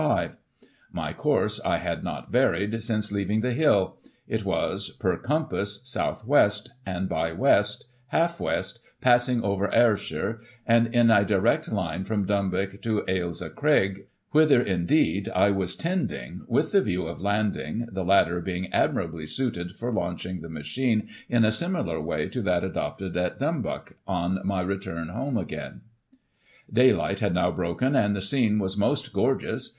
My course I had not varied since leaving the hill ; it was, per compass, south west, and by west, hcJf west, passing over Ayrshire, and in a direct line from Dumbuck to Ailsa Craig, whither, indeed, I was tending, with the view of landing, the latter being admirably suited for launching the machine in a similar way to that adopted at Dumbuck, on my return home again. " Daylight had now broken, and the scene was most gorgeous.